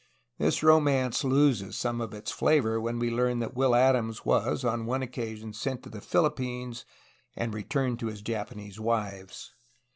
This romance loses some of its flavor when we learn that Will Adams was on one occasion sent to the Phil ippines,— and returned to his Japanese wives.